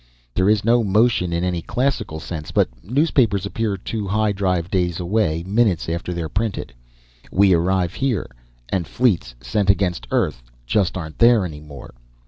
There is no motion, in any classic sense. But newspapers appear two high drive days away minutes after they're printed. We arrive here. And fleets sent against Earth just aren't there any more!"